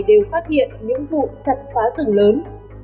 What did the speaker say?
đều phát hiện những vụ chặt phá rừng lớn